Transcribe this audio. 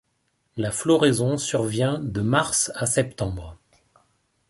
La floraison survient de mars à septembre.